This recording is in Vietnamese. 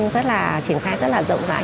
triển khai rất là rộng rãi